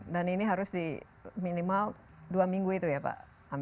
dan ini harus di minimal dua minggu itu ya pak